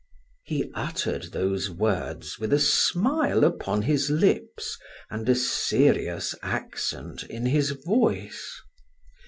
He uttered those words with a smile upon his lips and a serious accent in his voice.